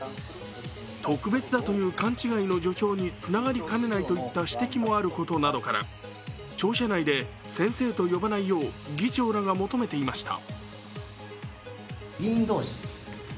特別だという勘違いの助長につながりかねないといった指摘もあることから庁舎内で先生と呼ばないよう議長らが求めていました。